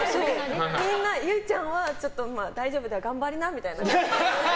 ユイちゃんは大丈夫だよ、頑張りなみたいな。